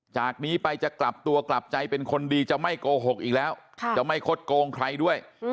จากนี้ไปจะกลับตัวกลับใจเป็นคนดีจะไม่โกหกอีกแล้วจะไม่คดโกงใครด้วย